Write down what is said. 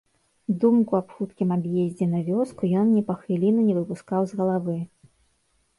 Думку аб хуткім ад'ездзе на вёску ён ні па хвіліну не выпускаў з галавы.